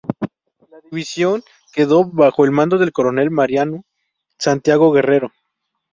La división quedó bajo el mando del coronel Mariano Santiago Guerrero.